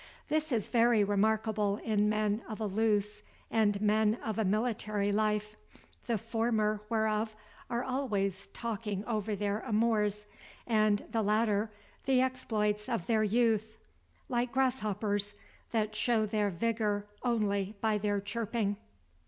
This is very remarkable in men of a loose, and men of a military life; the former whereof are always talking over their amours, and the latter the exploits of their youth; like grasshoppers, that show their vigor only by their chirping.